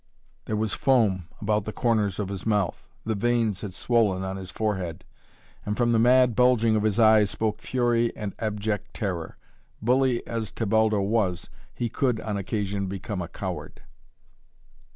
There was foam about the corners of his mouth, the veins had swollen on his forehead, and from the mad bulging of his eyes spoke fury and abject terror. Bully as Tebaldo was, he could, on occasion, become a coward.